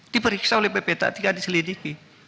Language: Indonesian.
diperiksa oleh ppt tidak diselidiki